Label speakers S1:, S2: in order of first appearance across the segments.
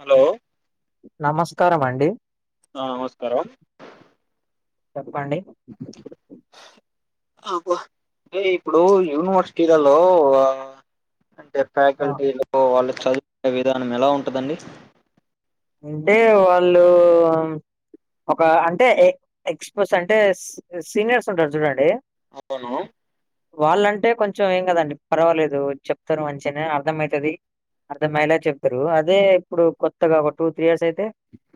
S1: Hello
S2: నమస్కారం అండి
S1: ఆ నమస్కారం
S2: చెప్పండి
S1: అంటే ఇప్పుడు యూనివర్సిటీలలో అంటే
S2: ఆ
S1: ఫ్యాకల్టీలు వాళ్ళు చదువుకునే విధానం ఎలా ఉంటదండి
S2: అంటే వాళ్ళు ఒక అంటే ఎ ఎక్స్పస్ అంటే సీనియర్స్ ఉంటారు చూడండి
S1: అవును
S2: వాళ్ళంటే కొంచెం ఏం కాదండి పర్వాలేదు చెప్తారు మంచిగానే అర్థమైతది అర్థమయ్యేలాగా చెప్తారు అదే ఇప్పుడు కొత్తగా ఒక టూ త్రీ ఇయర్స్ అయితే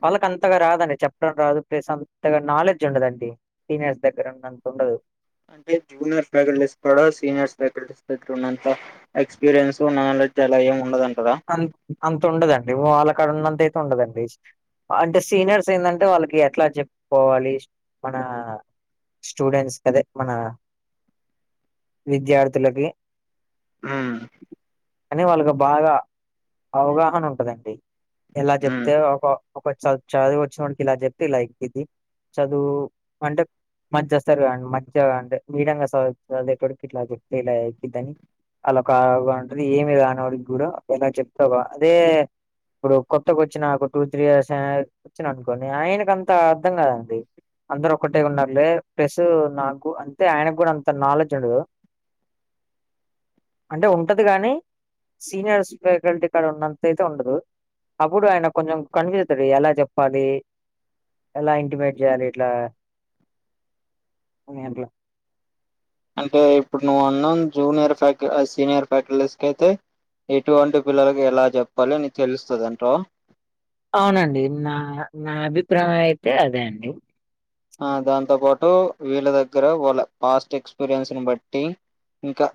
S2: వాళ్ళకి అంతగా రాదండి చెప్పడం రాదు ప్లేస్ అంతగా నాలెడ్జ్ ఉండదండి సీనియర్స్ దగ్గర ఉన్నంత ఉండదు
S1: అంటే జూనియర్ ఫ్యాకల్టీస్కి కూడా సీనియర్స్ ఫ్యాకల్టీస్ దగ్గర ఉన్నంత ఎక్స్పీరియన్స్ నాలెడ్జ్ అలా ఏమి ఉండధంటారా
S2: అంత అంత ఉండదండి వాళ్ళ కాడ ఉన్నంత అయితే ఉండదండి అంటే సీనియర్స్ ఏందంటే వాళ్ళకి ఎట్లా చెప్పుకోవాలి మన స్టూడెంట్స్ కదే మన విద్యార్థులకి
S1: ఉమ్
S2: అని వాళ్ళకి బాగా అవగాహన ఉంటదండి ఇలా
S1: ఉమ్
S2: చెప్తే ఓహో ఒక చ చదివు వచ్చేనోడ్కి ఇలా చెప్తే ఇలా ఎక్కిది చదువూ అంటే మధ్య వస్తారు కాండి మధ్యగా అడి మీడియగా చ చవిటోడ్కి ఇట్లా చెప్తే ఇలా ఎక్కిదని అలా కాగా ఉంటది ఏమి రానోడికి కూడా ఒకలా చెప్తావ అదే ఇప్పుడు కొత్తగొచ్చిన ఒక టూ త్రీ ఇయర్స్ వచ్చిన అనుకోని అయినకాంత అర్ధం కాదండి అందరు ఒక్కటే ఉన్నారులే ప్లస్ నాకు అంటే ఆయనకు కూడా అంత నాలెడ్జ్ ఉండదు అంటే ఉంటది కాని సీనియర్స్ పెకల్టీ కాడ ఉన్నంత అయితే ఉండదు అప్పుడు ఆయన కొంచెం కన్ఫ్యూస్ ఐతాడు ఎలా చెప్పాలి ఎలా ఇంటిమేట్ చేయాలి ఇట్లా ఏంటి
S1: అంటే ఇప్పుడు నువ్వు అన్నాం జూనియర్ ఫ్యాక సీనియర్ ఫ్యాక్టల్టీస్కయితే ఎటువంటి పిల్లలకి ఎలా చెప్పాలి నీకు తెలుస్తదంటావ్
S2: అవునండి నా నా అభిప్రాయం అయితే అదే అండి
S1: ఆ దాంతో పాటు వీళ్ళ దగ్గర వాళ్ళ పాస్ట్ ఎక్స్పీరియన్స్ ని బట్టి ఇంకా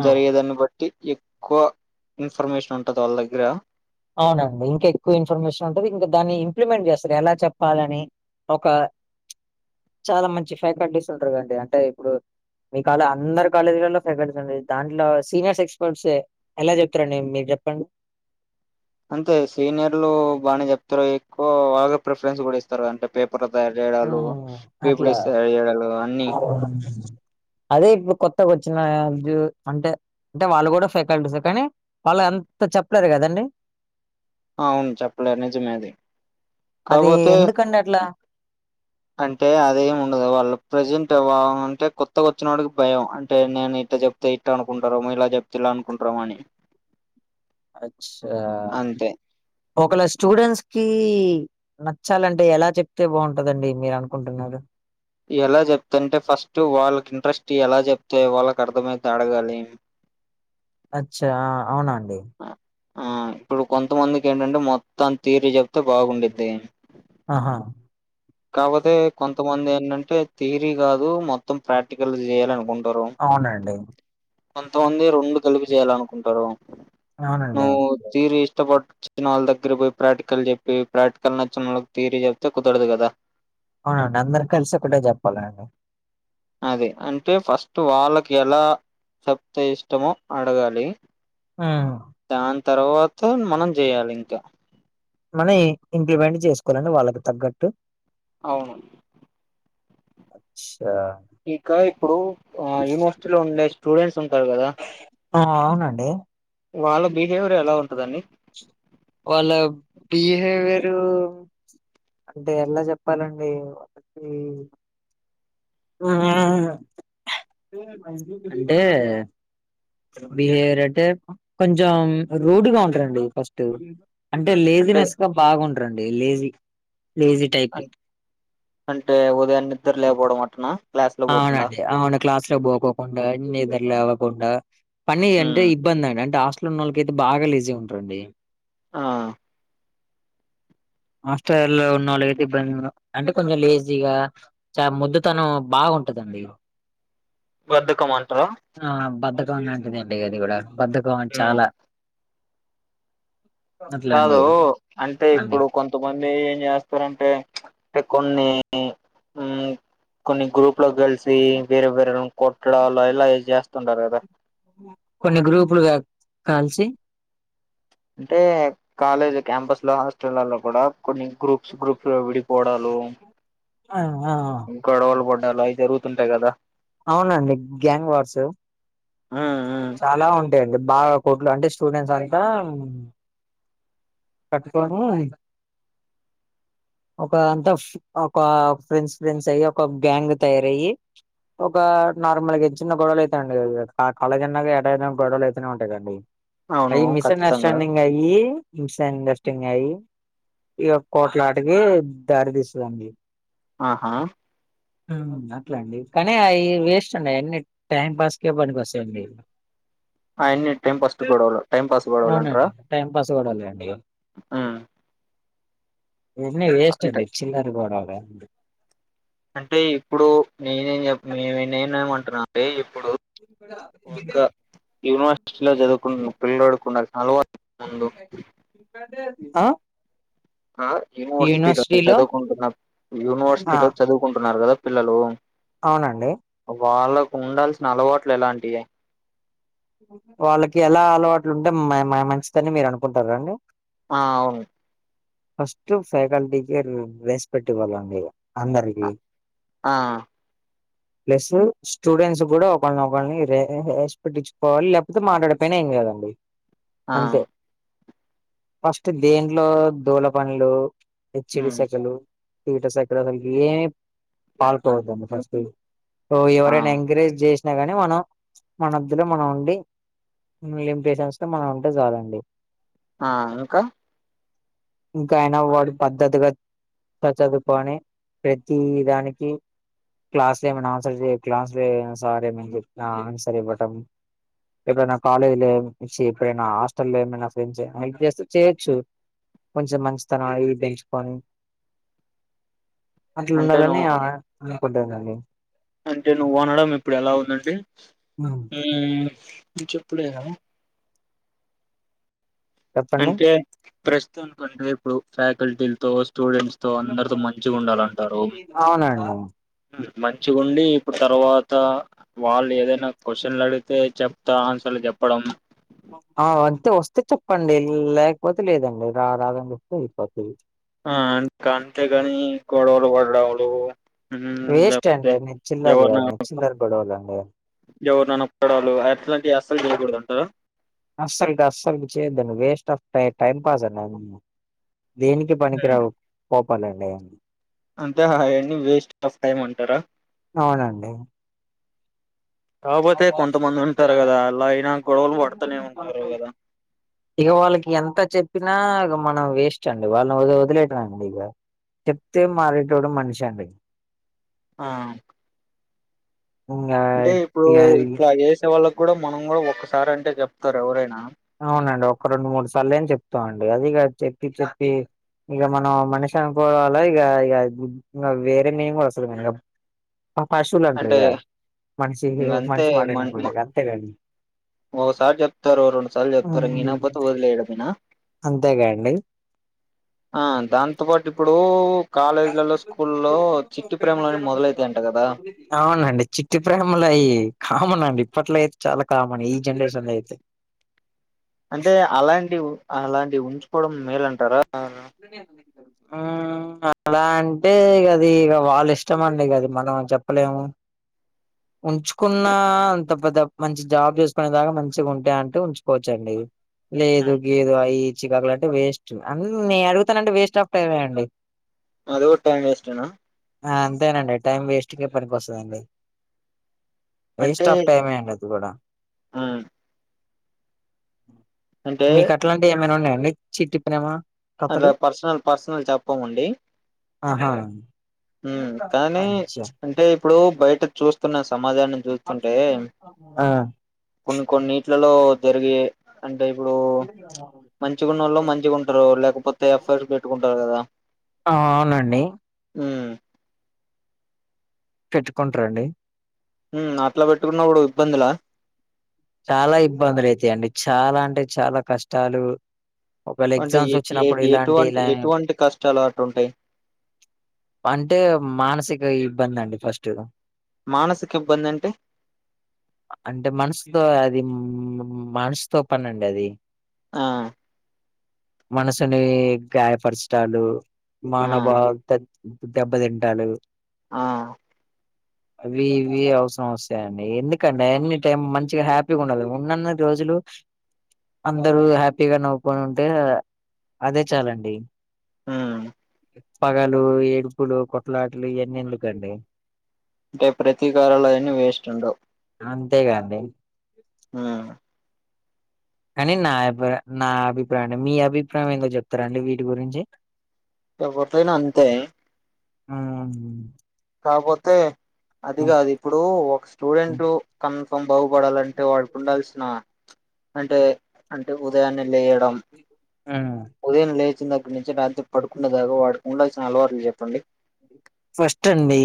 S2: ఆ!
S1: జరిగేదాన్ని బట్టి ఎక్కువ ఇన్ఫర్మేషన్ ఉంటది వాళ్ళ దగ్గర
S2: అవునండి ఇంకా ఎక్కువ ఇన్ఫర్మేషన్ ఉంటుంది ఇంకా దాన్ని ఇంప్లిమెంట్ చేస్తారు ఎలా చెప్పాలని ఒక చాలా మంచి ఫ్యాకల్టీస్ ఉంటారు కండి అంటే ఇప్పుడు మీ కాల అందరు కాలేజీలలో ఫ్యాకల్టీస్ ఉండేది దాంట్లో సీనియర్స్ ఎక్స్పోర్టసె ఎలా చెప్తారండి మీరు చెప్పండి
S1: అంతే సీనియర్లు బానే చెప్తారు ఎక్కువ బాగా ప్రిఫరెన్స్ కూడాస్త తారు అంటే పేపర్లు తయార్చేడలు
S2: హ్మ్.
S1: పీపిడిస్ తయారు చేయడాల్లు అన్ని
S2: ఆ అదే ఇప్పుడు కొత్తగొచ్చిన జు అంటే అంటే వాళ్ళు కూడా ఫ్యాకల్టీసె కానీ వాళ్ళు అంత చెప్పలేదు కదండి
S1: అవును చెప్పలే నిజమేది
S2: అదే ఎందుకండి అట్ల
S1: అంటే అదేమి ఉండదు వాళ్ళు ప్రజెంట్ అంటే కొత్తగా వచ్చిన వాడికి భయం అంటే నేను ఇట్ట చెప్ తే ఇట్ అనుకుంటారెమో ఇలచెప్తే ఇలా అనుకుంటారిమోని
S2: అచ్చా
S1: అంతే
S2: ఒకళ స్టూడెంట్స్ కి నచ్చాలంటే ఎలా చెప్తే బొంటదండి మీరు అనుకుంటున్నారు
S1: ఎలా చెప్తుంటే ఫస్ట్ వాళ్ళకి ఇంట్రెస్ట్ ఎలా చెప్తే వాళ్ళకి అర్థమయితదో అడగాలి
S2: అచ్చా అవునాండి
S1: ఆ ఇప్పుడు కొంతమందికి ఏంటంటే మొత్తాం తీరి చెప్తే బాగుండింది
S2: ఆహా
S1: కాపోతే కొంతమంది ఏంటంటే థియరీ కాదు మొత్తం ప్రాక్టికల్ చేయాలనుకుం టరు
S2: అవునండి.
S1: కొంతమంది రెండు కలిపి చేయాలనుకుంటారు
S2: అవునండి
S1: స్టీలి ఇష్టపడ్ చెప్పిన వాళ్ళ దగ్గర పోయి ప్రాక్టికల్ చెప్పి ప్రాక్టికల్ నచ్చిన వాళ్ళకి థియరీ చెప్తే కుదరదు కదా
S2: అవునండి అందరు కలిసి ఒకటే చెప్పాలండి
S1: అది అంటే ఫస్ట్ వాళ్ళకి ఎలా చెప్త ఇష్టమో అడగాలి
S2: ఆ
S1: దాని తర్వాత మనం చేయాలి ఇంకా
S2: మనం ఇంప్లిమెంట్ చేసుకోవాలండి వాళ్ళకి తగ్గట్టు
S1: అవును
S2: అచ్చా
S1: ఇక ఇప్పుడు ఆ యూనివర్సిటీలో ఉండే స్టూడెంట్స్ ఉంటారు కదా
S2: ఆహా అవునండి
S1: వాళ్ళ బిహేవియర్ ఎలా ఉంటదండి
S2: వాళ్ళ బిహేవియరు అంటే ఎలా చెప్పాలండి ఒకకి [unintelligible] అంటే బిహేవియర్ అంటే కొంచెం రూడ్గా ఉంటారండి ఫస్ట్ అంటే లేజీనెస్ గా బాగుండరండి లేజీ లేజీ టైప్
S1: అం అంటే ఉదయాన్ని నిద్దర లేకపోవడం అట్టనా క్లాస్ లో పోకుండా
S2: అవునండి అవును క్లాస్ లో పోకోకుండా నిదర లేవ కుండా పని అంటే
S1: ఉమ్.
S2: ఇబ్బంది అండి అంటే హాస్టల్ ఉన్నళ్ళకయితే బాగా లేజీ ఉంటారండి
S1: ఆ
S2: హాస్టలో ఉన్న వాళ్ళ అయితే ఇబ్బంది అంటే కొంచెం లేజీగా. చా మోద్దుతనం బాగుంటదండి
S1: బద్ధకం అంటార
S2: ఆ బద్దకంలాంటిదే అండి అది కూడా బద్దకం
S1: ఉమ్.
S2: చాలా
S1: కాదు
S2: అట్లండి
S1: అంటే
S2: అన్ని
S1: ఇప్పుడు కొంత కొంతమంది ఏంచేస్తారంటే చ్ కొన్ని ఉం కొన్ని గ్రూప్ లో కలిసి వేరే వేరే వాల్ [unintelligible] కొట్టడాలుఇలా చేస్తుంటారు గదా
S2: కొన్ని గ్రూపులుగా కలిసి
S1: అంటే కాలేజ్ క్యాంపస్ లో హాస్టల్లలో కూడా కొన్ని గ్రూప్స్ గ్రూప్ లో విడిపోవడాలు
S2: ఆ ఆ
S1: గోడవలు పడ్డాలు అయి జరుగుతుంటాయి కదా
S2: అవునండి గ్యాంగ్ వార్
S1: ఉమ్ ఉమ్
S2: చాలా ఉంటాయండి బాగా కోట్లు అంటే స్టూడెంట్స్ అంతా కట్టుకొని ఒక అంతా ఫ్ ఒక ఫ్రెండ్స్ ఫ్రెండ్స్ అయి ఒక గ్యాంగ్ తయారయ్యి ఒక నార్మల్ గైతే చిన్న గొడవలు అయితయంటగ ఆ కాలేజ్ అన్నాక ఎడఅయినా గొడవలు అయితేనే ఉంటాయి కండి
S1: అవును
S2: అవి మిస్
S1: ఖచ్చితంగా
S2: అండర్స్టాండింగ్ అయి మిస్సుండెస్టాండింగ్ అయి ఇగ కోట్లాటకీ దారి తీస్తదండి
S1: ఆహా
S2: హామ్ అట్లే అండి కానీ అయి వేస్ట్ అండి అయన్ని టైం పాస్ కె పనికొస్తాయి చండీ
S1: ఆయన్ని టైం పాస్ట్ గొడవలు టైం పాస్ గొడవలు అంటారా
S2: అవునండి టైం పాస్ గొడవలే అండి ఇగ
S1: ఉమ్
S2: ఈయన్ని వేస్ట్
S1: అంటే
S2: అండి చిల్లరి గొడవలు
S1: అంటే ఇప్పుడు నేనేం నేను నేనేం అంటుననంటే ఇప్పుడు
S2: [unintelligible]
S1: ఇంకా యూనివర్సిటీ లో చదువుకు పిలోడుకుండాల్సిన అలవాట్ల ముందు
S2: ఆ
S1: ఆ యూనివర్సిటీలో చదువుకుంటున్న
S2: ఆ!
S1: యూనివర్సిటీలో చదువుకుంటున్నారు కదా పిల్లలు
S2: అవునండి
S1: వాళ్లకు ఉండాల్సిన అలవాట్లు ఎలాంటియి
S2: వాళ్లకి ఎలా అలవాటు ఉంటే మా- మా-మంచిదని మీరు అనుకుంటారండి
S1: ఆ అవును
S2: ఫస్ట్ ఫ్యాకల్టీ కే రెస్పెక్ట్ ఇవాళ్ళండి ఇంకా అందరికి
S1: ఆ
S2: ప్లస్ స్టూడెంట్స్ కూడా ఒకల్ని ఒకల్ని రాగింగ్ చేసి పెట్టించు ఎవళ్ళు లేకపోతే మాట్లాడలేకపోయినా ఏంగాదండి
S1: ఆ
S2: అంతే ఫస్ట్ దేంట్లో దూల పనులు హెచ్చిడి
S1: ఉమ్
S2: సెకలు తిట సెకలు దానికి ఏం పాలిపోవదండి పరిస్థితి ఓ
S1: ఆ
S2: ఎవరైనా ఎంకరేజ్ చేసినా గానీ మనం మనిద్దరం మనం ఉండి మిగిలిన పేషన్స్ తో మనం ఉంటే చాలండి
S1: ఆ ఇంకా
S2: ఇంకా ఐయిన వాడు పద్ధతిగా పద్ధతిగా చదువుకోని ప్రతీ దానికి క్లాస్ లో ఏమైనా ఆన్సర్ క్లాస్ లో సార్ ఏ మన్న చెప్పినా ఆన్సర్ ఇవ్వటం ఎప్పుడైనా కాలేజీ లో వచ్చి ఎప్పుడైనా హస్టల్ లో ఏమైనా ఫ్రెండ్స్ ఏమైన హెల్ప్ చేస్తే చేయొచ్చు కొంచెం మంచితనం అయి ఇయి పెంచుకొని
S1: అంటే
S2: అట్లుండదని
S1: నువ్వు
S2: ఆ-అనుకుంటానండి
S1: అంటే నువ్వు అనడం ఇప్పుడు ఎలా ఉందంటే ఉమ్ చెప్పుడేన.
S2: చెప్పండి
S1: అంటే ప్రస్తుతం అంటే ఇప్పుడు ఫ్యాకల్టీలతో స్టూడెంట్స్ తో తో అందరితో మంచిగా ఉండాలంటారు
S2: అవునండి
S1: మంచిగా ఉండి ఇప్పుడు తర్వాత వాళ్ళు ఏదైనా క్యూషన్లు అడిగితే చెప్తా ఆన్సర్లు చెప్పడం
S2: ఆ అంతే వస్తే చెప్పండి లేకపోతే లేదండి రారాదనీ చెప్తే అయిపోతది
S1: ఆ ఇంకా అంతేగాని గొడవలు పడవడలు
S2: వేస్ట్ అండి మీ చిల్లరు మీ చిల్లరు గొడవలు అండి
S1: ఎవరినన్న పొడవడాలు అట్లాంటివి అసలు చేయకూడదట కదా
S2: అసల్ అసల్ చేయొద్దండి వేస్ట్ ఆఫ్ ట-టైం పాస్ అది దేనికి దేనికి పనికిరవు కోపాలండి
S1: అంటే హా అన్ని వేస్ట్ ఆఫ్ టైం అంటారా
S2: అవునండి
S1: కాపోతే కొంతమందుంటారు కదా అలా అయినా గొడవలు పడుతునే ఉంటారు కదా
S2: ఇగ వాళ్ళకి ఎంత చెప్పినా ఇగ మనం వేస్ట్ అండి వాళ్ళను వదిలి వదిలేయడమే ఇక చెప్తే మారెటోడు మనిషి అండీ
S1: ఆ
S2: ఇంగ
S1: అంటే ఇప్పుడు
S2: ఇగ
S1: ఇట్లా చేసే వాళ్ళకు కూడా మనం కూడా ఒకసారి అంటే చెప్తారు ఎవరైనా
S2: అవునండి ఒక రెండు మూడు సార్లు ఎం చెప్తాం అండి అదిగా చెప్పి చెప్పి ఇగ మనం మనిషి అనుకోవాల ఇగ ఇగ వేరే నేమ్ కూడా వస్తది మేడం పశువులంటారా
S1: అంటే
S2: ఇగ మనిషికి మనిషి మారనాపుడు ఇగ అంతేగాద
S1: ఓసారి చెప్తారు రెండు సార్లు చెప్తారు ఇంగ ఇనకపోతే వదిలేయడమేనా
S2: అంతేగా అండి
S1: ఆ దాంతో పాటు ఇప్పుడు కాలేజీలల్లో స్కూల్లొ చిట్టి ప్రేమలు అనే మొదలైతాయంట గదా
S2: అవునండి చిక్ త్రీ ప్రేమలు మళ్ళాయి కామన్ అండి ఇప్పట్లో అయితే చాలా కామన్ ఈ జనరేషన్ లో అయితే
S1: అంటే అలాంటివ్ అలాంటివి ఉంచుకోవడం మేలు అంటారా ఆ
S2: న్ న ల్ మంచి డైవ్ ఉ అలా అంటే ఇగ అది వాళ్ళ ఇష్టం అండి ఇగ మనం చెప్పలేము ఉంచుకున్న అంత పెద్ద మంచి జాబ్ జెసుకునే దాకా మంచిగా ఉంటా అంటే ఉంచుకోవచ్చఅండి లేదు గేదు అవి ఇచ్చికకుల అంటే వేస్ట్ అన్నీ అడుగుతానంటే వేస్ట్ ఆఫ్ టైమ్ అండి
S1: అది గూడా టైం వేస్ట్ యేన
S2: ఆ అంతేనండి టైం వెస్ట్కె పనికి వస్తుదండి వేస్ట్ ఆఫ్ టైం యే అండి అది గూడా
S1: మ్ అంటే
S2: మీకు అట్లావి ఏమైనా ఉన్నాయండి చిట్టి ప్రేమ కథలు
S1: అట్లా పర్సనల్ పర్సనల్ చెప్పమండి
S2: ఆహ
S1: మ్ కానీ అంటే ఇప్పుడు బయట చూస్తున్నా సమాజాన్నీ దుస్తుంటే
S2: ఆ
S1: కొన్ని కొన్నిట్లలో జరిగే అంటే ఇబుడు మంచిగునోళ్ళు మంచిగ ఉంటరు లేకపోతే ఎఫైర్ పెట్టుకుంటారు గదా
S2: ఆ అవునండి
S1: మ్
S2: పెట్టుకొంట్ర అండి
S1: ఊ అట్లా పెట్టుకున్నబ్బడు ఇబ్బంది లా
S2: చాలా ఇబ్బందులు అయితాయండి చాలా అంటే చాలా కష్టాలు ఒకవేళ
S1: అంటే
S2: ఎగ్జామ్స్
S1: ఏ ఏ
S2: వచ్చినప్పుడు ఇలాంటి
S1: ఎటువంటి
S2: ఇలాం
S1: ఎటువంటి కష్టాలు అటుంటాయి
S2: అంటే మానసిక ఇబ్బందండి ఫస్ట్
S1: మానసిక ఇబ్బందంటే
S2: అంటే మనసుతో అది మ్ మనసుతో పని అండి అది
S1: ఆ
S2: మనసుని గాయపరచాటాలు
S1: ఆ
S2: మానవా తాగ్ దెబ్బతింటాలు
S1: ఆ
S2: అవి ఇవి అవసరం వస్తాయండి ఎందుకండి ఎన్ని టైం మం చిగా హ్యాపీగా ఉండలి ఉన్నన్ని రోజులు అందరు హ్యాపీగా నవ్వుకొని ఉంటే అదే చాలండి
S1: ము
S2: పగలు ఏడుపులు కొట్లాట్లు ఇయన్నీ ఎందుకండి
S1: అంటే ప్రతీకారలో అవీ వేస్ట్ ఉండవ్
S2: అంతేగా అండి
S1: మ్
S2: కాని నా అభి నా అభిప్రాయం మీ అభిప్రాయం ఏందో చెప్తారండి వీటి గురించి
S1: ఎవరు తొ అయినా అంతే
S2: మ్మ్
S1: కాపోతే అది కాదు ఇప్పుడు ఒక
S2: హ్మ్.
S1: స్టూడెంటు కన్ఫర్మ్ బాగుపడాలంటే వాడికి ఉండాల్సిన అంటే అంటే ఉదయాన్నే లెయ్యడం
S2: ఉమ్.
S1: ఉదయం లేచిన దగ్గర నుంచి రాత్రి పడుకునే దాకా వాడు ఉండల్సిన అలవాట్లు చెప్పండి
S2: ఫస్ట్ అండి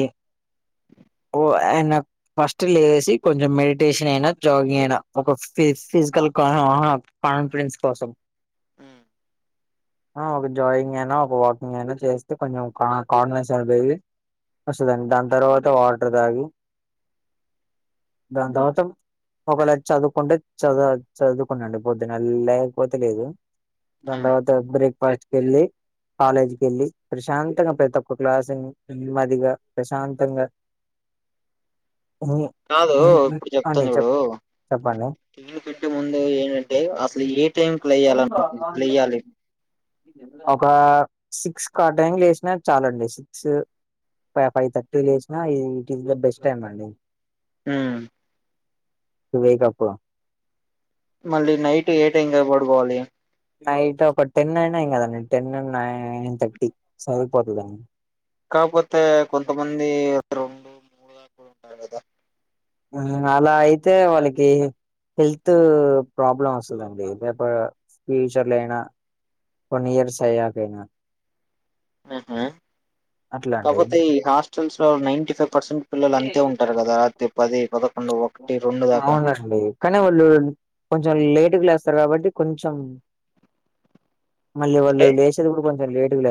S2: ఓ యానక్ ఫస్ట్ లేసి కొంచెం మెడిటేషన్ అయినా జాగింగ్ అయిన ఒక ఫి ఫిజికల్ కహ ఆ కాన్ఫిడెన్స్ కోసం ఆ ఒక జాగింగ్ అయినా ఒక వాకింగ్ అయినా చేస్తే కొంచెం కా కాన్ఫిడెన్స్ పెరిగి వస్తదండి దాని తర్వాత వాటర్ తాగి దాని తర్వాత ఒకవేళ చదువుకుంటే చదువు చదువుకుండి పొద్దున లేకపోతే లేదు దాని తర్వాత బ్రేక్ ఫస్ట్ కెళ్ళి కాలేజ్ కెళ్ళి ప్రశాంతంగా ప్రతొక్క క్లాసు విని నెమ్మదిగా ప్రశాంతంగా
S1: కాదూ
S2: హ్మ్. హ్మ్.
S1: ఇప్పుడు
S2: అండి
S1: చెప్తాన్
S2: చెప్
S1: చూడు
S2: చెప్పండి
S1: [unintelligible] పెట్టే ముందు ఏంటంటే అసలు ఏ టైం కి లేయాలి
S2: ఒకా సిక్స్ ఆ టైమ్ కు లేసినా చాలండి సిక్స్ ఫైవ్ థర్టీ లేసినా ఇది it is the best time అండి
S1: మ్మ్
S2: ఇవే కప్పు
S1: మళ్ళీ నైట్ ఏ టైం కి పడుకోవాలి
S2: నైట్ ఒక టెన్ అయినా ఏం కాదండి టెన్ నైన్ థర్టీ సరిపోతుందండి
S1: కాకపోతే కొంతమంది [unintelligible] మూడు దాకా కూడా ఉంటారు కదా
S2: ఆ అలా అయితే వాళ్ళకి హెల్త్ ప్రాబ్లం వస్తదండి రేపు ఫ్యూచర్ లో అయినా కొన్ ఇయర్స్ అయాక అయిన
S1: హుహు
S2: అట్లా అండి
S1: కాపోతే ఈ హాస్టల్స్ లో నైన్టీ ఫైవ్ పర్సెంట్ పిల్లలు అంతే ఉంటారు కదా రాత్రి పది పదకొండు ఒక్కటి రెండు దాకా
S2: [unintelligible] కానీ వాళ్ళు కొంచెం లేటు గ లేస్తారు కాబట్టి కొంచెం మళ్ళీ
S1: అంటే
S2: వాళ్ళు లేసేది కూడా కొంచెం లేటుగ లే